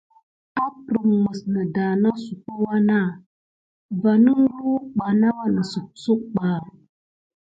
Apprem mis neda nosuko wana va nəngluwek ɓa na wannəsepsuk ɓa.